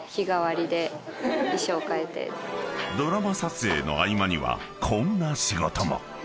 ［ドラマ撮影の合間にはこんな仕事も］